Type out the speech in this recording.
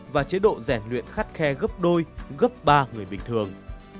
và chế độ rèn luyện khắt khe gấp đôi gấp ba người bình thường